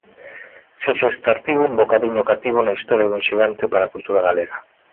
Sexa este artigo un bocadiño cativo na historia dun xigante para a cultura galega.